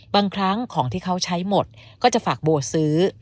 บางครั้งของที่เขาใช้หมดก็จะฝากโบซื้อ